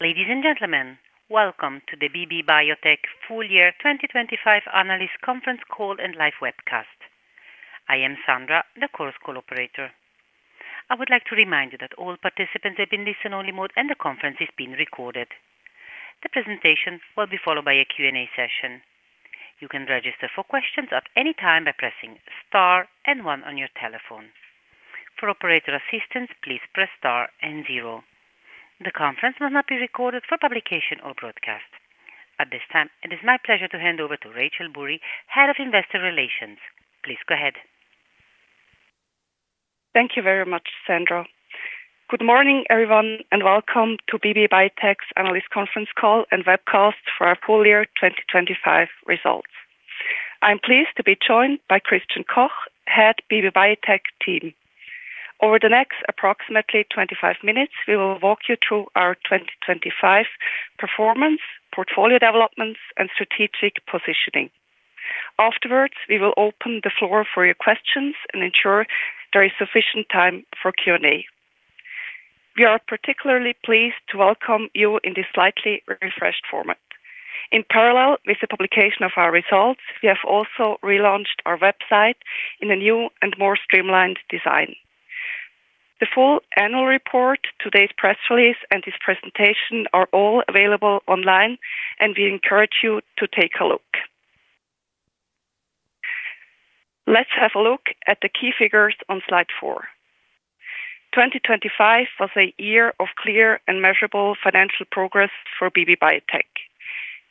Ladies and gentlemen, welcome to the BB Biotech full year 2025 analyst conference call and live webcast. I am Sandra, the Chorus Call operator. I would like to remind you that all participants have been listen-only mode and the conference is being recorded. The presentation will be followed by a Q&A session. You can register for questions at any time by pressing star and one on your telephone. For operator assistance, please press star and zero. The conference will not be recorded for publication or broadcast. At this time, it is my pleasure to hand over to Rachael Burri, Head of Investor Relations. Please go ahead. Thank you very much, Sandra. Good morning, everyone, and welcome to BB Biotech's analyst conference call and webcast for our full year 2025 results. I'm pleased to be joined by Christian Koch, Head, BB Biotech team. Over the next approximately 25 minutes, we will walk you through our 2025 performance, portfolio developments, and strategic positioning. Afterwards, we will open the floor for your questions and ensure there is sufficient time for Q&A. We are particularly pleased to welcome you in this slightly refreshed format. In parallel with the publication of our results, we have also relaunched our website in a new and more streamlined design. The full annual report, today's press release, and this presentation are all available online, and we encourage you to take a look. Let's have a look at the key figures on slide four. 2025 was a year of clear and measurable financial progress for BB Biotech.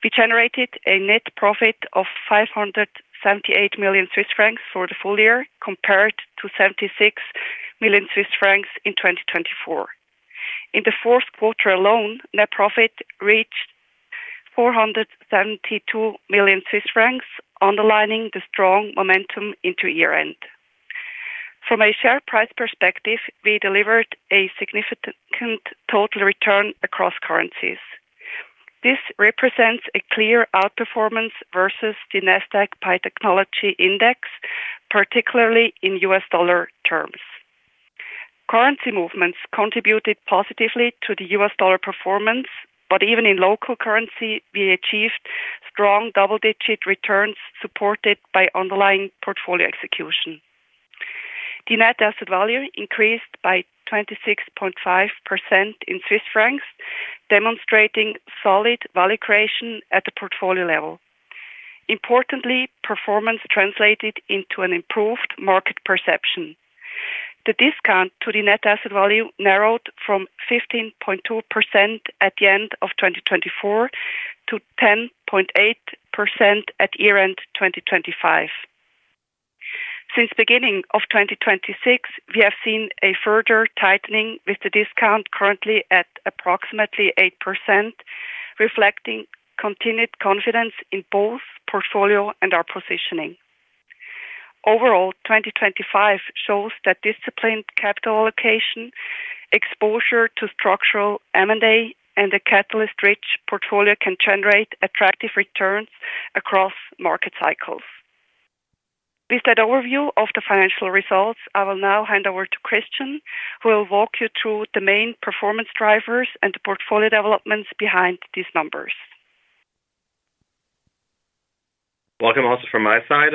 We generated a net profit of 578 million Swiss francs for the full year, compared to 76 million Swiss francs in 2024. In the fourth quarter alone, net profit reached 472 million Swiss francs, underlining the strong momentum into year-end. From a share price perspective, we delivered a significant total return across currencies. This represents a clear outperformance versus the Nasdaq Biotechnology Index, particularly in US dollar terms. Currency movements contributed positively to the US dollar performance, but even in local currency, we achieved strong double-digit returns, supported by underlying portfolio execution. The net asset value increased by 26.5% in Swiss francs, demonstrating solid value creation at the portfolio level. Importantly, performance translated into an improved market perception. The discount to the net asset value narrowed from 15.2% at the end of 2024 to 10.8% at year-end 2025. Since beginning of 2026, we have seen a further tightening, with the discount currently at approximately 8%, reflecting continued confidence in both portfolio and our positioning. Overall, 2025 shows that disciplined capital allocation, exposure to structural M&A, and a catalyst-rich portfolio can generate attractive returns across market cycles. With that overview of the financial results, I will now hand over to Christian, who will walk you through the main performance drivers and the portfolio developments behind these numbers. Welcome, also, from my side.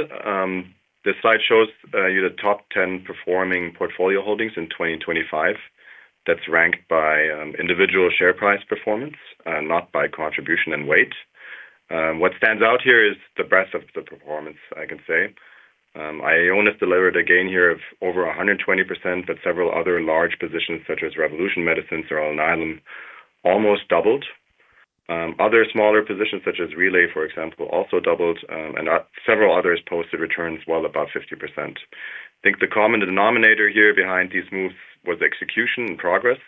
This slide shows you the top ten performing portfolio holdings in 2025. That's ranked by individual share price performance, not by contribution and weight. What stands out here is the breadth of the performance, I can say. Ionis delivered a gain here of over 120%, but several other large positions, such as Revolution Medicines or Alnylam, almost doubled. Other smaller positions, such as Relay, for example, also doubled, and several others posted returns well above 50%. I think the common denominator here behind these moves was execution and progress.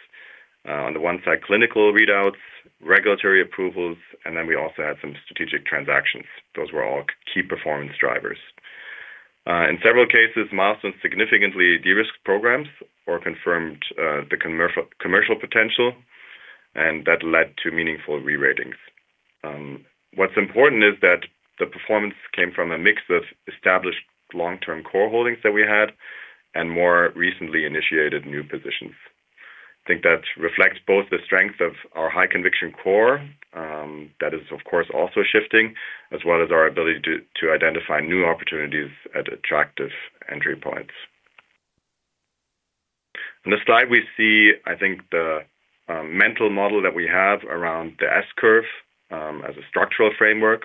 On the one side, clinical readouts, regulatory approvals, and then we also had some strategic transactions. Those were all key performance drivers. In several cases, milestones significantly de-risked programs or confirmed the commercial, commercial potential, and that led to meaningful re-ratings. What's important is that the performance came from a mix of established long-term core holdings that we had and more recently initiated new positions. I think that reflects both the strength of our high conviction core, that is, of course, also shifting, as well as our ability to identify new opportunities at attractive entry points. On this slide, we see, I think, the mental model that we have around the S-curve as a structural framework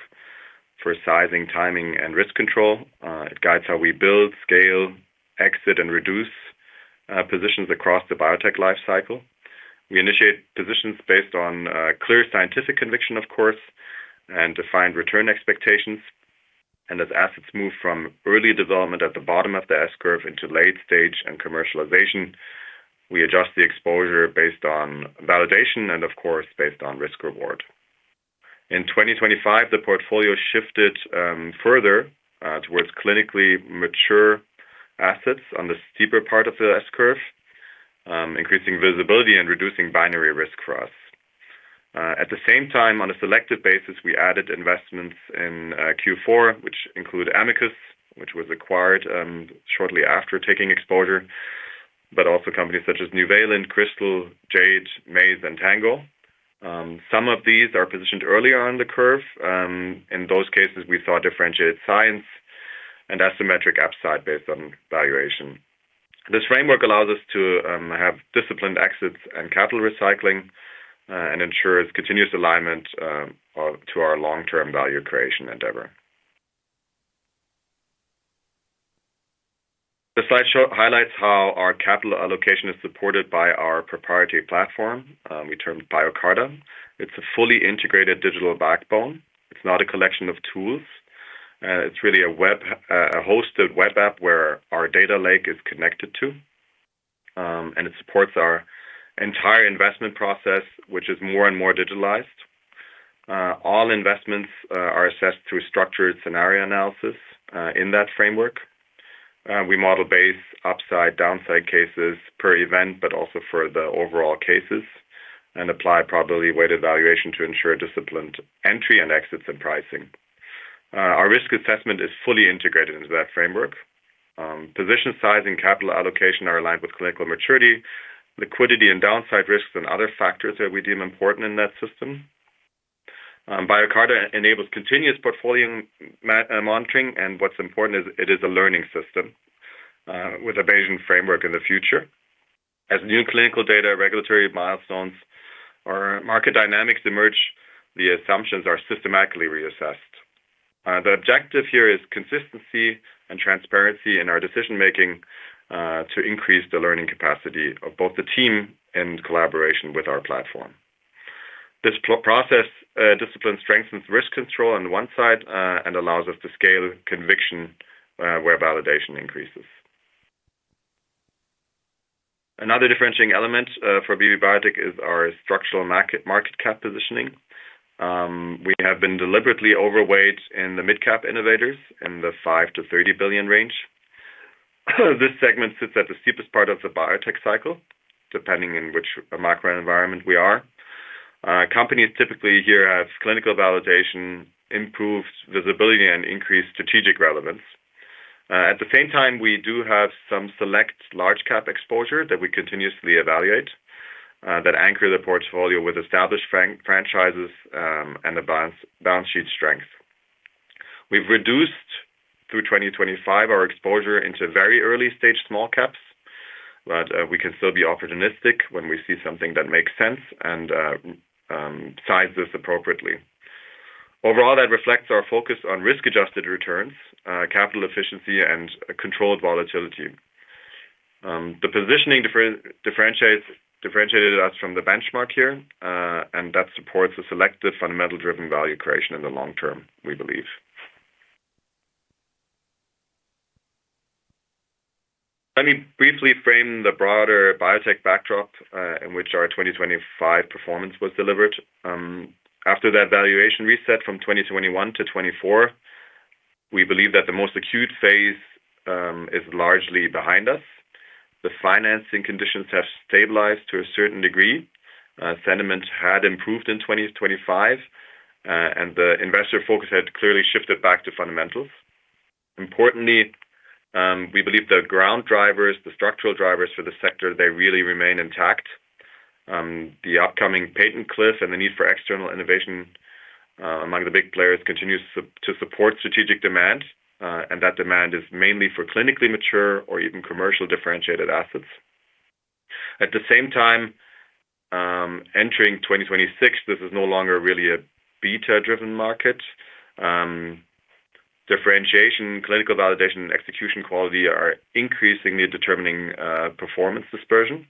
for sizing, timing, and risk control. It guides how we build, scale, exit, and reduce positions across the biotech life cycle. We initiate positions based on clear scientific conviction, of course, and defined return expectations. As assets move from early development at the bottom of the S-curve into late stage and commercialization, we adjust the exposure based on validation and, of course, based on risk reward. In 2025, the portfolio shifted further towards clinically mature assets on the steeper part of the S-curve, increasing visibility and reducing binary risk for us. At the same time, on a selective basis, we added investments in Q4, which include Amicus, which was acquired shortly after taking exposure... but also companies such as Nuvalent, Krystal, Jade, Maze, and Tango. Some of these are positioned earlier on the curve. In those cases, we saw differentiated science and asymmetric upside based on valuation. This framework allows us to have disciplined exits and capital recycling, and ensures continuous alignment to our long-term value creation endeavor. The slideshow highlights how our capital allocation is supported by our proprietary platform, we termed BioCarta. It's a fully integrated digital backbone. It's not a collection of tools. It's really a hosted web app where our data lake is connected to. It supports our entire investment process, which is more and more digitalized. All investments are assessed through structured scenario analysis in that framework. We model base, upside, downside cases per event, but also for the overall cases, and apply probability-weighted valuation to ensure disciplined entry and exits and pricing. Our risk assessment is fully integrated into that framework. Position, size, and capital allocation are aligned with clinical maturity, liquidity, and downside risks and other factors that we deem important in that system. BioCarta enables continuous portfolio monitoring, and what's important is it is a learning system with a Bayesian framework in the future. As new clinical data, regulatory milestones, or market dynamics emerge, the assumptions are systematically reassessed. The objective here is consistency and transparency in our decision-making to increase the learning capacity of both the team in collaboration with our platform. This process discipline strengthens risk control on the one side and allows us to scale conviction where validation increases. Another differentiating element for BB Biotech is our structural market cap positioning. We have been deliberately overweight in the mid-cap innovators in the 5-30 billion range. This segment sits at the steepest part of the biotech cycle, depending on which macro environment we are. Companies typically here have clinical validation, improved visibility, and increased strategic relevance. At the same time, we do have some select large cap exposure that we continuously evaluate, that anchor the portfolio with established franchises, and a balance sheet strength. We've reduced through 2025 our exposure into very early-stage small caps, but, we can still be opportunistic when we see something that makes sense and, sizes appropriately. Overall, that reflects our focus on risk-adjusted returns, capital efficiency, and controlled volatility. The positioning differentiated us from the benchmark here, and that supports a selective, fundamental-driven value creation in the long term, we believe. Let me briefly frame the broader biotech backdrop, in which our 2025 performance was delivered. After that valuation reset from 2021 to 2024, we believe that the most acute phase is largely behind us. The financing conditions have stabilized to a certain degree. Sentiment had improved in 2025, and the investor focus had clearly shifted back to fundamentals. Importantly, we believe the ground drivers, the structural drivers for the sector, they really remain intact. The upcoming patent cliff and the need for external innovation, among the big players continues to support strategic demand, and that demand is mainly for clinically mature or even commercial differentiated assets. At the same time, entering 2026, this is no longer really a beta-driven market. Differentiation, clinical validation, and execution quality are increasingly determining performance dispersion.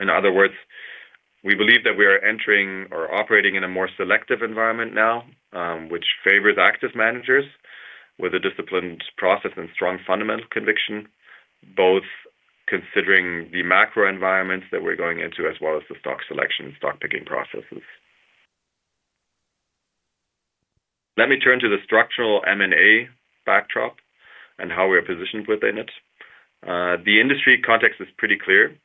In other words, we believe that we are entering or operating in a more selective environment now, which favors active managers with a disciplined process and strong fundamental conviction, both considering the macro environments that we're going into, as well as the stock selection and stock picking processes. Let me turn to the structural M&A backdrop and how we are positioned within it. The industry context is pretty clear.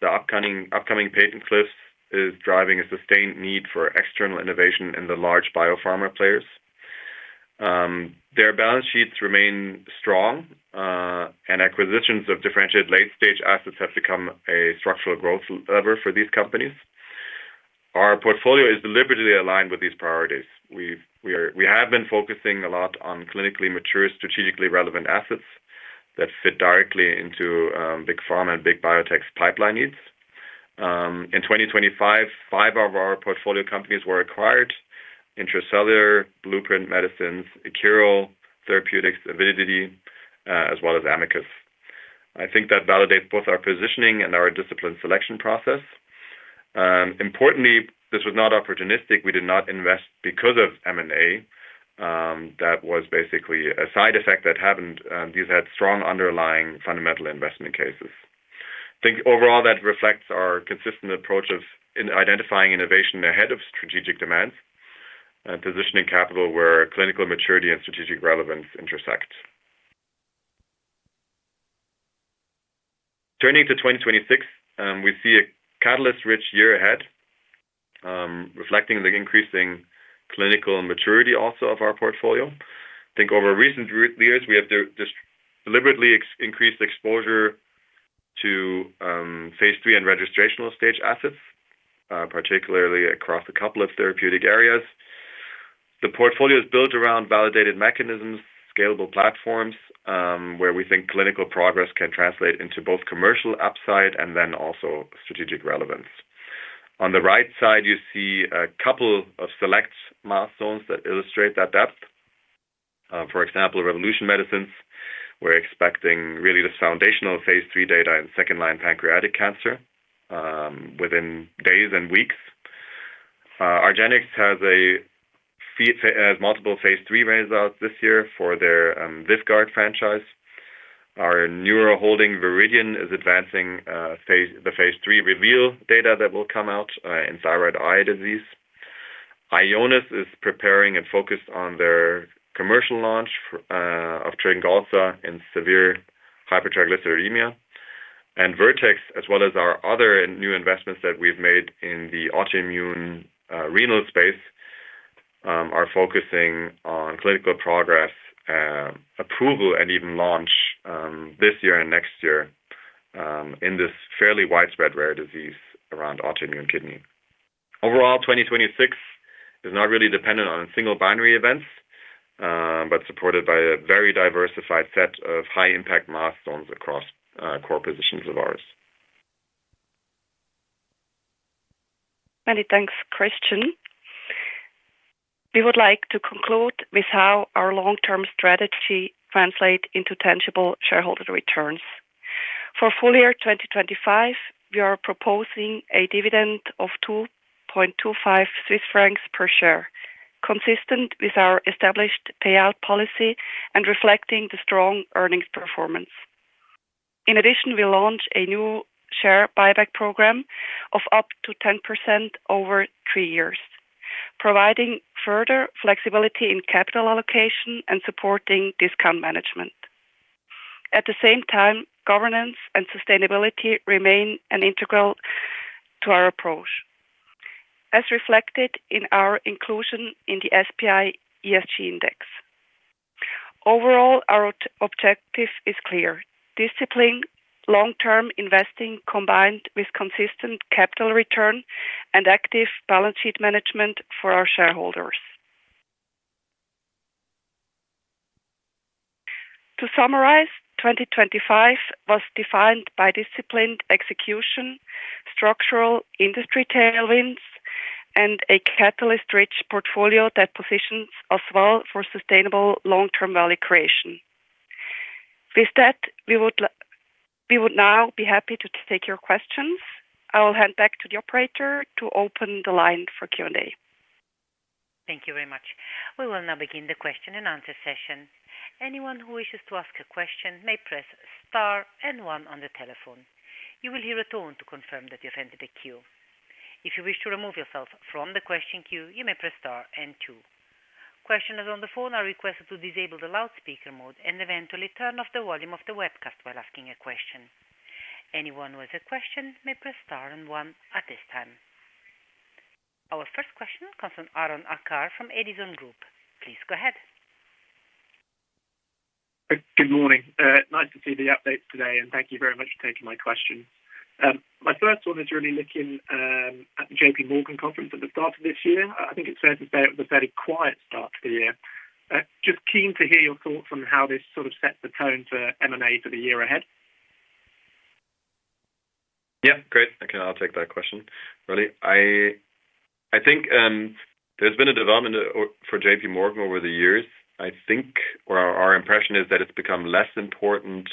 The upcoming patent cliffs is driving a sustained need for external innovation in the large biopharma players. Their balance sheets remain strong, and acquisitions of differentiated late-stage assets have become a structural growth lever for these companies. Our portfolio is deliberately aligned with these priorities. We have been focusing a lot on clinically mature, strategically relevant assets that fit directly into big pharma and big biotech's pipeline needs. In 2025, five of our portfolio companies were acquired: Intra-Cellular Therapies, Blueprint Medicines, Akero Therapeutics, Avidity Biosciences, as well as Amicus Therapeutics. I think that validates both our positioning and our discipline selection process. Importantly, this was not opportunistic. We did not invest because of M&A. That was basically a side effect that happened, these had strong underlying fundamental investment cases. I think overall, that reflects our consistent approach of in identifying innovation ahead of strategic demand, positioning capital where clinical maturity and strategic relevance intersect. Turning to 2026, we see a catalyst-rich year ahead... reflecting the increasing clinical maturity also of our portfolio. I think over recent years, we have just deliberately increased exposure to phase III and registrational stage assets, particularly across a couple of therapeutic areas. The portfolio is built around validated mechanisms, scalable platforms, where we think clinical progress can translate into both commercial upside and then also strategic relevance. On the right side, you see a couple of select milestones that illustrate that depth. For example, Revolution Medicines. We're expecting really the foundational phase III data in second-line pancreatic cancer within days and weeks. Argenx has a fee, has multiple phase III results this year for their Vyvgart franchise. Our neural holding, Viridian, is advancing phase, the phase III reveal data that will come out in thyroid eye disease. Ionis is preparing and focused on their commercial launch for, of Trigalza in severe hypertriglyceridemia. Vertex, as well as our other and new investments that we've made in the autoimmune, renal space, are focusing on clinical progress, approval, and even launch this year and next year, in this fairly widespread rare disease around autoimmune kidney. Overall, 2026 is not really dependent on single binary events, but supported by a very diversified set of high-impact milestones across core positions of ours. Many thanks, Christian. We would like to conclude with how our long-term strategy translate into tangible shareholder returns. For full year 2025, we are proposing a dividend of 2.25 Swiss francs per share, consistent with our established payout policy and reflecting the strong earnings performance. In addition, we launch a new share buyback program of up to 10% over three years, providing further flexibility in capital allocation and supporting discount management. At the same time, governance and sustainability remain an integral to our approach, as reflected in our inclusion in the SPI ESG Index. Overall, our objective is clear: discipline, long-term investing, combined with consistent capital return and active balance sheet management for our shareholders. To summarize, 2025 was defined by disciplined execution, structural industry tailwinds, and a catalyst-rich portfolio that positions us well for sustainable long-term value creation. With that, we would now be happy to take your questions. I will hand back to the operator to open the line for Q&A. Thank you very much. We will now begin the question and answer session. Anyone who wishes to ask a question may press star and one on the telephone. You will hear a tone to confirm that you have entered the queue. If you wish to remove yourself from the question queue, you may press star and two. Questioners on the phone are requested to disable the loudspeaker mode and eventually turn off the volume of the webcast while asking a question. Anyone who has a question may press star and one at this time. Our first question comes from Aydin Akar from Edison Group. Please go ahead. Good morning. Nice to see the updates today, and thank you very much for taking my question. My first one is really looking at the J.P. Morgan conference at the start of this year. I think it says it was a very quiet start to the year. Just keen to hear your thoughts on how this sort of sets the tone for M&A for the year ahead. Yeah, great. I can, I'll take that question. Really, I think, there's been a development for J.P. Morgan over the years. I think, or our impression is that it's become less important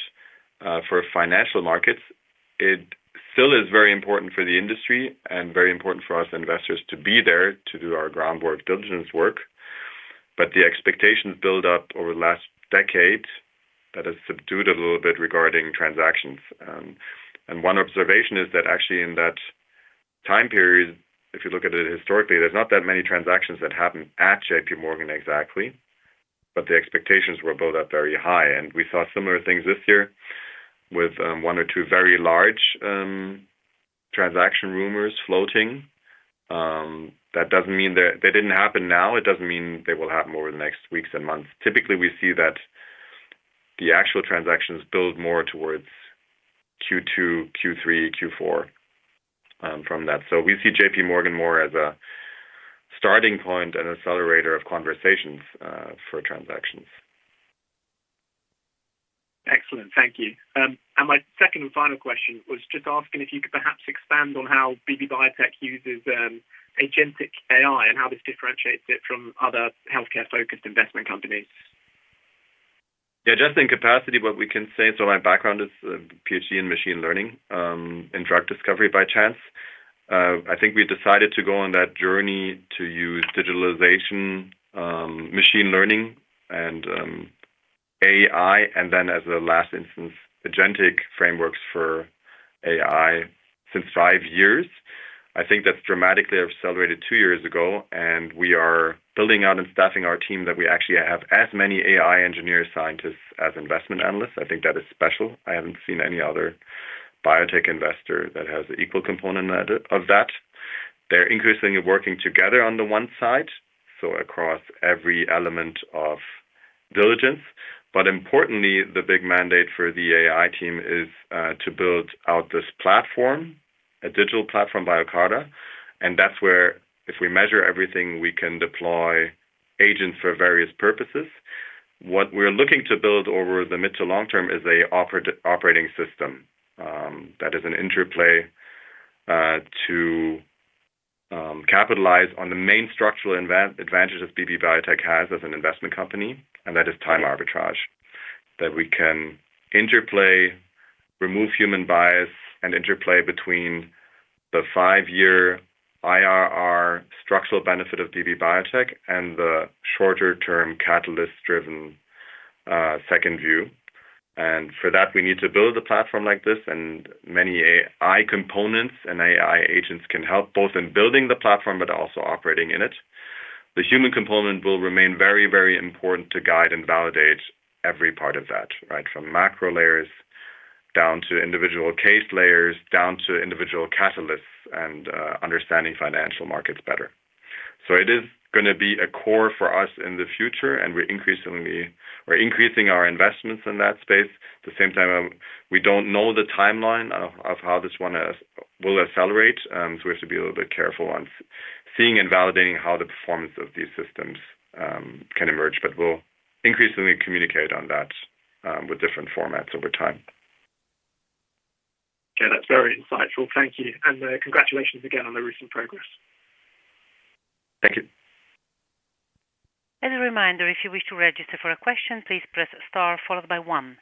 for financial markets. It still is very important for the industry and very important for us investors to be there to do our groundwork diligence work. But the expectations build up over the last decade, that has subdued a little bit regarding transactions. And one observation is that actually in that time period, if you look at it historically, there's not that many transactions that happened at J.P. Morgan exactly, but the expectations were built up very high. And we saw similar things this year with one or two very large transaction rumors floating. That doesn't mean that they didn't happen now. It doesn't mean they will happen over the next weeks and months. Typically, we see that the actual transactions build more towards Q2, Q3, Q4 from that. We see J.P. Morgan more as a starting point and accelerator of conversations for transactions. Excellent. Thank you. My second and final question was just asking if you could perhaps expand on how BB Biotech uses agentic AI and how this differentiates it from other healthcare-focused investment companies. Yeah, just in capacity, what we can say, so my background is a PhD in machine learning in drug discovery by chance. I think we decided to go on that journey to use digitalization, machine learning, and AI, and then as a last instance, agentic frameworks for AI since five years. I think that dramatically accelerated two years ago, and we are building out and staffing our team that we actually have as many AI engineer scientists as investment analysts. I think that is special. I haven't seen any other biotech investor that has the equal component of that, of that. They're increasingly working together on the one side, so across every element of diligence. But importantly, the big mandate for the AI team is to build out this platform, a digital platform, BioCarta, and that's where if we measure everything, we can deploy agents for various purposes. What we're looking to build over the mid to long term is a operating system that is an interplay to capitalize on the main structural advantage that BB Biotech has as an investment company, and that is time arbitrage. That we can interplay, remove human bias and interplay between the five-year IRR structural benefit of BB Biotech and the shorter term, catalyst-driven second view. And for that, we need to build a platform like this, and many AI components and AI agents can help, both in building the platform but also operating in it. The human component will remain very, very important to guide and validate every part of that, right? From macro layers, down to individual case layers, down to individual catalysts and, you know, understanding financial markets better. It is gonna be a core for us in the future, and we're increasingly-- we're increasing our investments in that space. At the same time, we don't know the timeline of how this one will accelerate, so we have to be a little bit careful on seeing and validating how the performance of these systems can emerge. We'll increasingly communicate on that with different formats over time. Okay, that's very insightful. Thank you. And, congratulations again on the recent progress. Thank you. As a reminder, if you wish to register for a question, please press Star followed by one.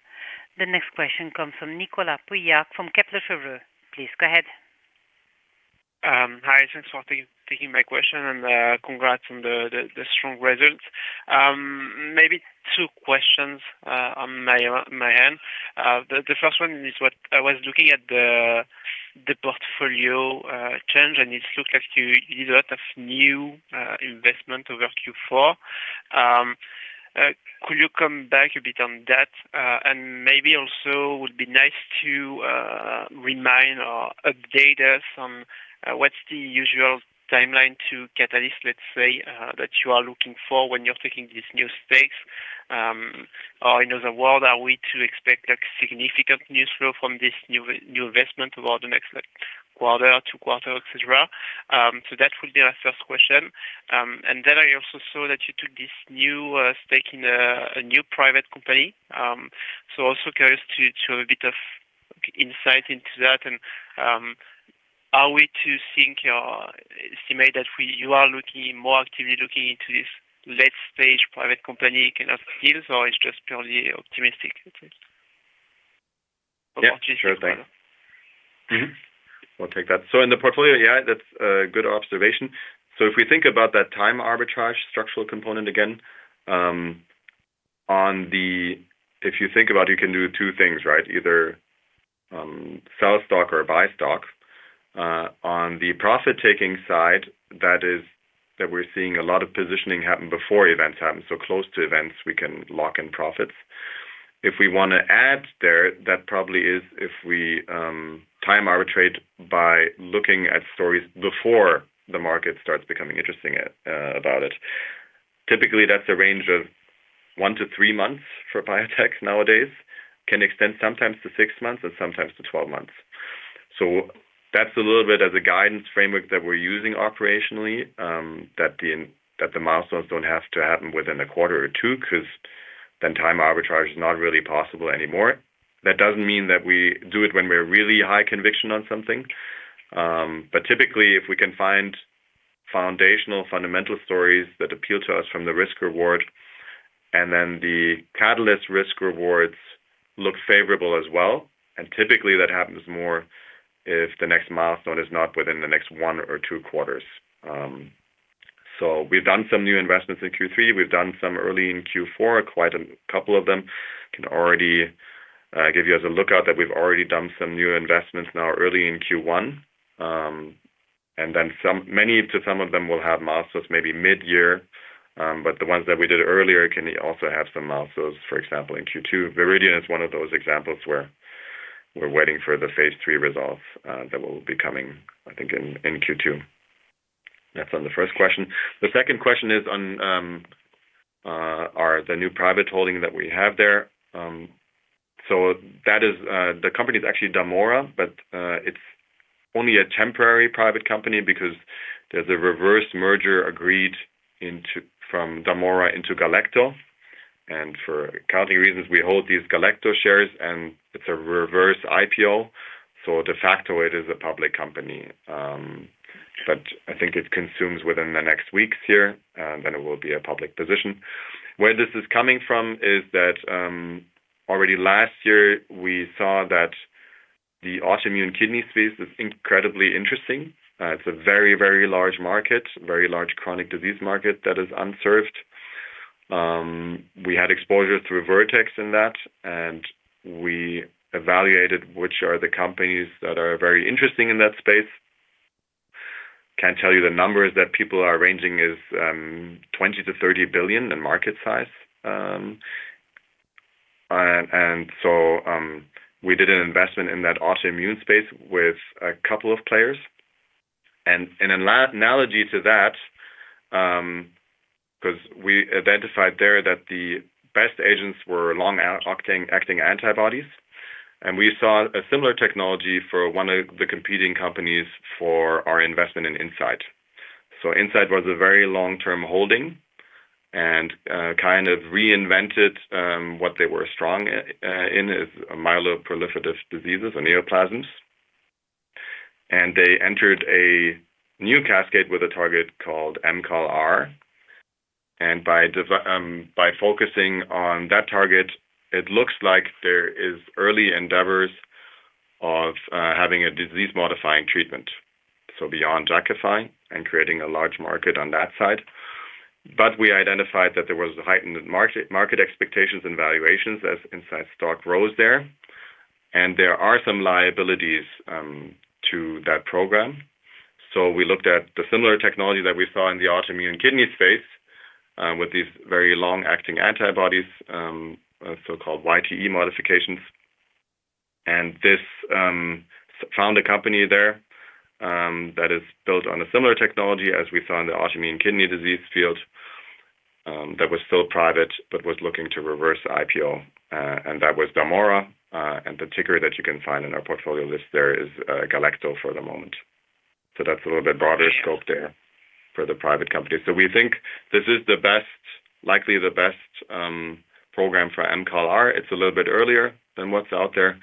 The next question comes from Nicolas Pauillac from Kepler Cheuvreux. Please go ahead. Hi, thanks for taking my question, and congrats on the strong results. Maybe two questions on my end. The first one is what I was looking at the portfolio change, and it looks like you did a lot of new investment over Q4. Could you come back a bit on that? And maybe also would be nice to remind or update us on what's the usual timeline to catalyst, let's say, that you are looking for when you're taking these new stakes. Or in other words, are we to expect like significant news flow from this new investment over the next like quarter, two quarters, etc.? So that would be my first question. And then I also saw that you took this new stake in a new private company. So also curious to a bit of insight into that and, are we to think or estimate that we-- you are looking more actively looking into this late stage private company kind of deals, or it's just purely optimistic at least? Yeah, sure thing. Mm-hmm. We'll take that. So in the portfolio, yeah, that's a good observation. So if we think about that time arbitrage structural component again, on the. If you think about it, you can do two things, right? Either, sell stock or buy stock. On the profit-taking side, that is that we're seeing a lot of positioning happen before events happen, so close to events we can lock in profits. If we wanna add there, that probably is if we, time arbitrate by looking at stories before the market starts becoming interesting about it. Typically, that's a range of one to three months for biotech nowadays. Can extend sometimes to six months and sometimes to 12 months. So that's a little bit of the guidance framework that we're using operationally, that the milestones don't have to happen within a quarter or two, 'cause then time arbitrage is not really possible anymore. That doesn't mean that we do it when we're really high conviction on something. But typically, if we can find foundational fundamental stories that appeal to us from the risk-reward, and then the catalyst risk rewards look favorable as well, and typically that happens more if the next milestone is not within the next one or two quarters. So we've done some new investments in Q3. We've done some early in Q4. Quite a couple of them can already give you as a lookout that we've already done some new investments now early in Q1. And then many of them will have milestones maybe mid-year, but the ones that we did earlier can also have some milestones, for example, in Q2. Viridian is one of those examples where we're waiting for the phase III results, that will be coming, I think, in Q2. That's on the first question. The second question is on our new private holding that we have there. So that is, the company is actually Damora, but it's only a temporary private company because there's a reverse merger agreed into, from Damora into Galecto. And for accounting reasons, we hold these Galecto shares, and it's a reverse IPO, so de facto, it is a public company. But I think it closes within the next weeks here, and then it will be a public position. Where this is coming from is that, already last year, we saw that the autoimmune kidney space is incredibly interesting. It's a very, very large market, very large chronic disease market that is unserved. We had exposure through Vertex in that, and we evaluated which are the companies that are very interesting in that space. Can't tell you the numbers that people are ranging, is $20 billion-$30 billion, the market size. And so, we did an investment in that autoimmune space with a couple of players. And in an analogy to that, 'cause we identified there that the best agents were long-acting antibodies, and we saw a similar technology for one of the competing companies for our investment in Insight. Insight was a very long-term holding and kind of reinvented what they were strong in, is myeloproliferative diseases or neoplasms. They entered a new cascade with a target called mutCALR, and by focusing on that target, it looks like there is early endeavors of having a disease-modifying treatment. Beyond drugifying and creating a large market on that side. We identified that there was a heightened market, market expectations and valuations as Insight stock rose there, and there are some liabilities to that program. We looked at the similar technology that we saw in the autoimmune kidney space with these very long-acting antibodies, so-called YTE modifications. We found a company there that is built on a similar technology as we saw in the autoimmune kidney disease field that was still private, but was looking to reverse the IPO, and that was Damora. The ticker that you can find in our portfolio list there is Galecto for the moment. That's a little bit broader scope there for the private company. We think this is the best, likely the best, program for mutCALR. It's a little bit earlier than what's out there,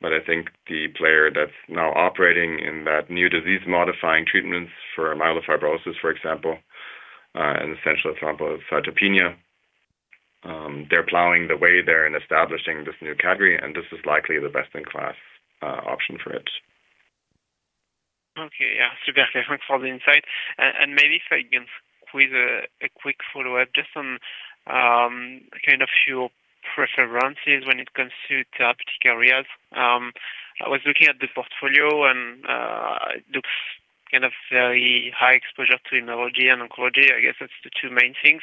but I think the player that's now operating in that new disease-modifying treatments for myelofibrosis, for example, and essential example of cytopenia, they're plowing the way there in establishing this new category, and this is likely the best-in-class option for it. Okay, yeah. Super. Thanks for the insight. And maybe if I can squeeze a quick follow-up just on kind of your preferences when it comes to therapeutic areas. I was looking at the portfolio and it looks kind of very high exposure to immunology and oncology. I guess that's the two main things.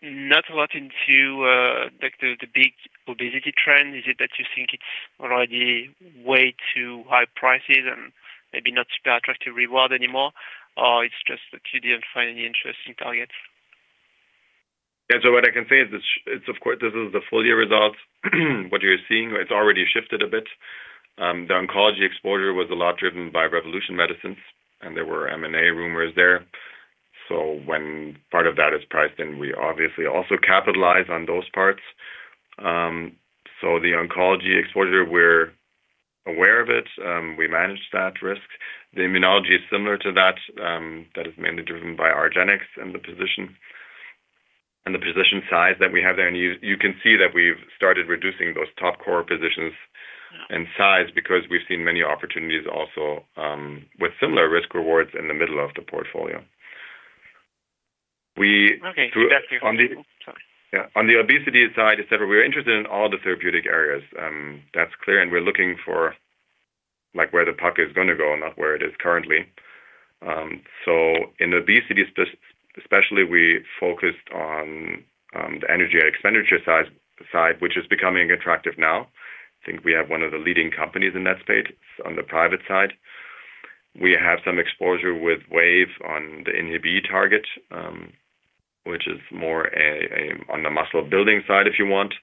Not a lot into like the big obesity trend. Is it that you think it's already way too high prices and maybe not super attractive reward anymore, or it's just that you didn't find any interesting targets? Yeah, so what I can say is it's, it's, of course, this is the full year results. What you're seeing, it's already shifted a bit. The oncology exposure was a lot driven by Revolution Medicines, and there were M&A rumors there. So when part of that is priced in, we obviously also capitalize on those parts. So the oncology exposure, we're aware of it, we manage that risk. The immunology is similar to that, that is mainly driven by argenx and the position, and the position size that we have there. And you, you can see that we've started reducing those top core positions and size because we've seen many opportunities also, with similar risk rewards in the middle of the portfolio. We- Okay. On the- Sorry. Yeah. On the obesity side, etc., we're interested in all the therapeutic areas. That's clear, and we're looking for, like, where the puck is gonna go, not where it is currently. In obesity, especially, we focused on the energy expenditure side, which is becoming attractive now. I think we have one of the leading companies in that space on the private side. We have some exposure with Wave on the INHBE target, which is more a, a on the muscle building side, if you want.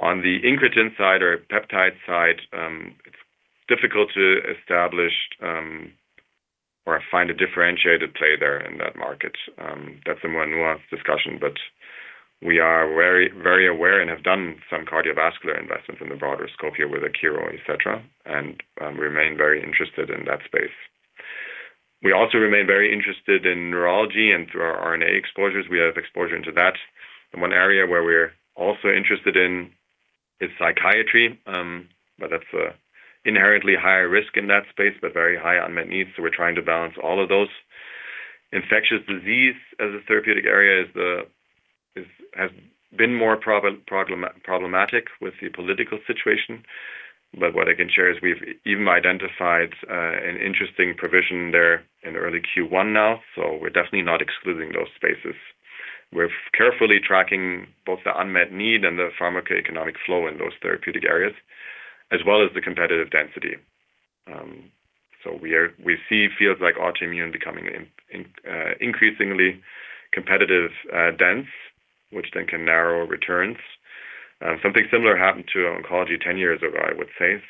On the incretin side or peptide side, it's difficult to establish, or find a differentiated player there in that market. That's a more nuanced discussion, but we are very, very aware and have done some cardiovascular investments in the broader scope here with Akero, etc., and remain very interested in that space. We also remain very interested in neurology, and through our RNA exposures, we have exposure into that. One area where we're also interested in is psychiatry, but that's inherently higher risk in that space, but very high unmet needs, so we're trying to balance all of those. Infectious disease as a therapeutic area has been more problematic with the political situation, but what I can share is we've even identified an interesting provision there in early Q1 now, so we're definitely not excluding those spaces. We're carefully tracking both the unmet need and the pharmacoeconomic flow in those therapeutic areas, as well as the competitive density. So we see fields like autoimmune becoming increasingly competitive dense, which then can narrow returns. Something similar happened to oncology ten years ago, I would say.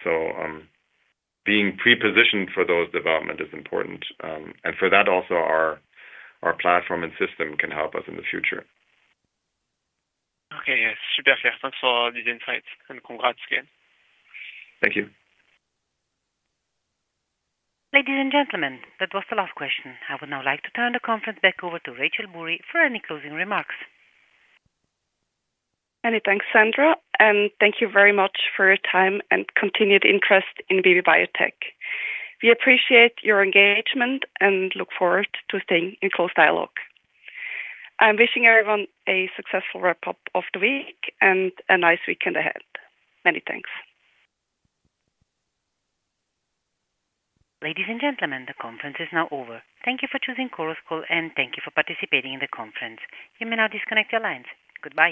Being pre-positioned for those development is important. And for that also, our platform and system can help us in the future. Okay, yes. Super. Thanks for all these insights, and congrats again. Thank you. Ladies and gentlemen, that was the last question. I would now like to turn the conference back over to Rachael Burri for any closing remarks. Many thanks, Sandra, and thank you very much for your time and continued interest in BB Biotech. We appreciate your engagement and look forward to staying in close dialogue. I'm wishing everyone a successful wrap-up of the week and a nice weekend ahead. Many thanks. Ladies and gentlemen, the conference is now over. Thank you for choosing Chorus Call, and thank you for participating in the conference. You may now disconnect your lines. Goodbye.